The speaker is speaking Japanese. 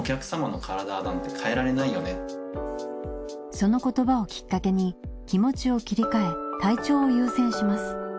その言葉をきっかけに気持ちを切り替え体調を優先します。